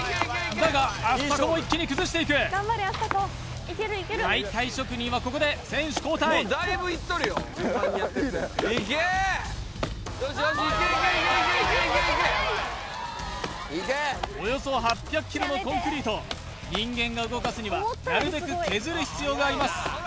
だがアスタコも一気に崩していく解体職人はここで選手交代人力はやいよおよそ８００ｋｇのコンクリート人間が動かすにはなるべく削る必要があります